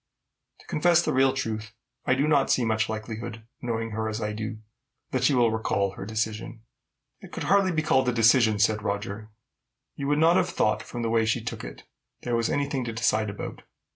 To confess the real truth, I do not see much likelihood, knowing her as I do, that she will recall her decision." "It could hardly be called a decision," said Roger. "You would not have thought, from the way she took it, there was any thing to decide about.